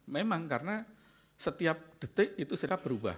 memang karena setiap detik itu sikap berubah